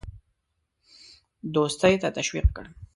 دوستی ته تشویق کړ.